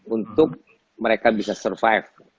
untuk mereka bisa survive